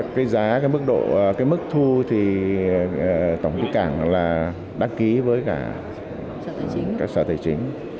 cái giá cái mức thu thì tổng cái cảng là đăng ký với cả các xã tài chính